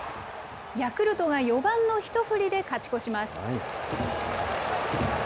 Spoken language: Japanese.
ヤクルトが４番の一振りで勝ち越します。